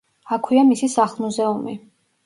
აქვეა მისი სახლ-მუზეუმი.